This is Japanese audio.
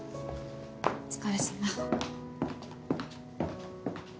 お疲れさま。